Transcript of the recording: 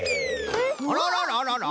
あららららら？